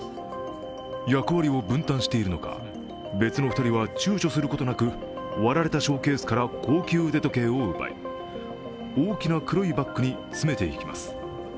役割を分担しているのか、別の２人はちゅうちょすることなく割られたショーケースから高級腕時計を奪い大きな黒いバッグに詰めていきます。